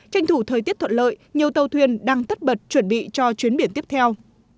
tranh thủ thời tiết thuận lợi nhiều tàu thuyền đang tất bật chuẩn bị cho chuyến biển tiếp theo